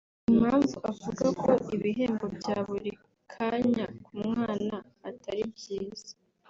Impamvu avuga ko ibihembo bya buri kanya ku mwana atari byiza